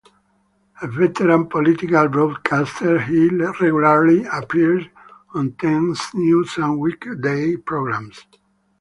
A veteran political broadcaster, he regularly appeared on Ten's news and weekday programs.